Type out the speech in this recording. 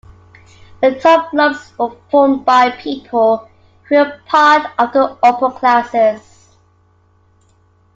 The top clubs were formed by people who were part of the upper classes.